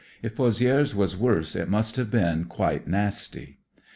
If Pozi^res was worse it must have been quite nasty."